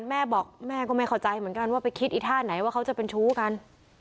แม่บอกแม่ก็ไม่เข้าใจเหมือนกันว่าไปคิดอีท่าไหนว่าเขาจะเป็นชู้กัน